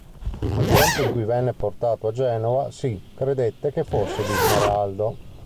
Nel tempo in cui venne portato a Genova si credette che fosse di smeraldo.